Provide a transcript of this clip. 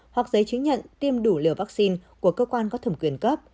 hoặc giấy chứng nhận tiêm đủ liều vaccine của cơ quan có thẩm quyền cấp